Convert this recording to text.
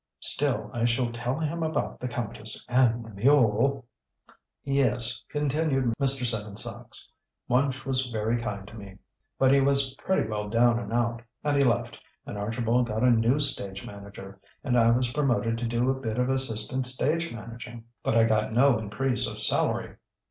Still, I shall tell him about the countess and the mule " "Yes," continued Mr. Seven Sachs, "Wunch was very kind to me. But he was pretty well down and out, and he left, and Archibald got a new stage manager, and I was promoted to do a bit of assistant stage managing. But I got no increase of salary.